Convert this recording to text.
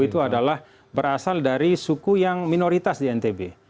itu adalah berasal dari suku yang minoritas di ntb